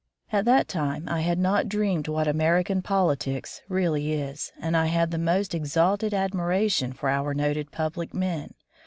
At that time, I had not dreamed what American politics really is, and I had the most exalted admiration for our noted public men.